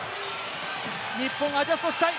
日本、アジャストしたい。